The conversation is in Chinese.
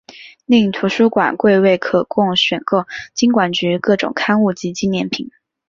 另图书馆柜位可供选购金管局各种刊物及纪念品。